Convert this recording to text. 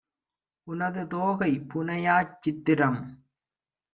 உனது தோகை புனையாச் சித்திரம்